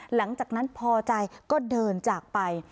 หลังจากนั้นพอใจก็เดินจากไป